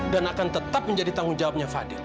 dan akan tetap menjadi tanggung jawabnya fadil